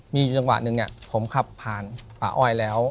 มีอยู่จังหวะหนึ่งผมขับผ่านป่าอ้อยแล้ว